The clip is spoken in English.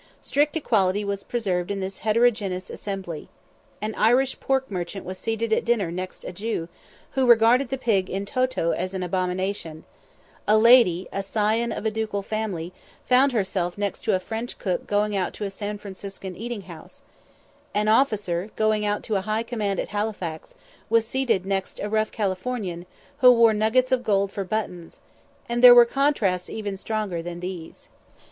Strict equality was preserved in this heterogeneous assembly. An Irish pork merchant was seated at dinner next a Jew, who regarded the pig in toto as an abomination a lady, a scion of a ducal family, found herself next to a French cook going out to a San Franciscan eating house an officer, going out to high command at Halifax, was seated next a rough Californian, who wore "nuggets" of gold for buttons; and there were contrasts even stronger than these.